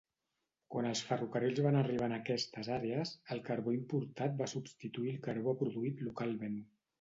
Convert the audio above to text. Quan els ferrocarrils van arribar a en aquestes àrees, el carbó importat va substituir el carbó produït localment.